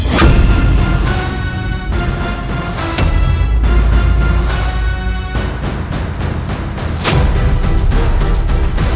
j focus dia sedikit